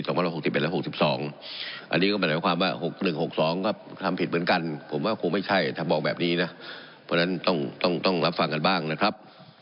ตรงนั้นต้องรับฟังกันบ้างนะครับ